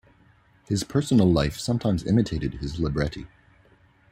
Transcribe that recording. His personal life sometimes imitated his libretti.